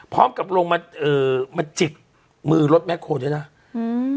พร้อมกับลงมาเอ่อมาจิกมือรถแคลด้วยนะอืม